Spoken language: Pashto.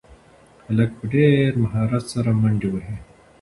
هلک په ډېر مهارت سره منډې وهي.